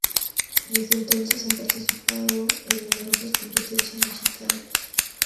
Desde entonces, ha participado en numerosas competiciones musicales.